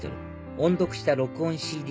音読した録音ＣＤ